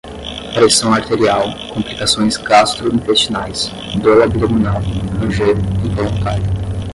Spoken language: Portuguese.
pressão arterial, complicações gastrointestinais, dor abdominal, ranger, involuntário